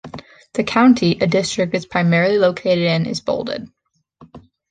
The county a district is primarily located in is bolded.